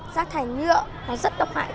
rác thải nhựa nó rất độc hại